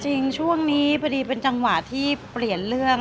จริงช่วงนี้พอดีเป็นจังหวะที่เปลี่ยนเรื่อง